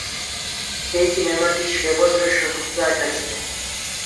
এই সিনেমাটি সে বছরের সর্বোচ্চ আয়কারী সিনেমা।